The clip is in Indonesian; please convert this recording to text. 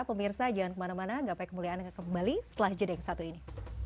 pemirsa jangan kemana mana gak payah kemuliaan kembali setelah jeda yang satu ini